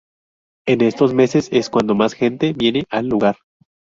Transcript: En estos meses es cuando más gente viene al lugar.